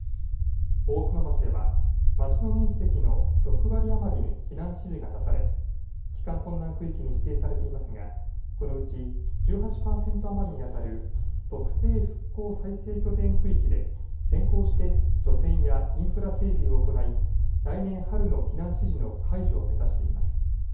大熊町では町の面積の６割余りに避難指示が出され帰還困難区域に指定されていますが、このうち１８％余りにあたる特定復興再生拠点区域で先行して除染やインフラ整備を行い来年春の避難指示の解除を目指しています。